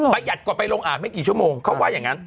หัดกว่าไปลงอ่านไม่กี่ชั่วโมงเขาว่าอย่างนั้น